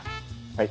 はい。